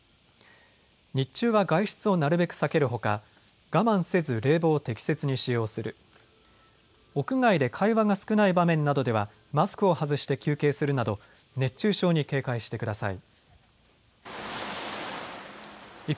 日中は外出をなるべく避けるほか我慢せず冷房を適切に使用する、屋外で会話が少ない場面などではマスクを外して休憩するなど熱中症に警戒してください。